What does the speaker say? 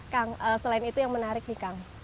kang selain itu yang menarik nih kang